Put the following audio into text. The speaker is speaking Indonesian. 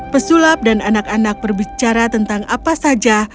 pesulap dan anak anak berbicara tentang apa saja